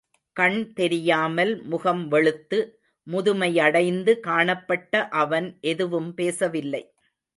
கண் தெரியாமல் முகம் வெளுத்து, முதுமையடைந்து காணப்பட்ட அவன் எதுவும் பேசவில்லை.